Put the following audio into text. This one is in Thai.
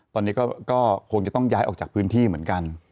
ตอนนี้ก็คงจะต้องย้ายออกจากพื้นที่เหมือนกัน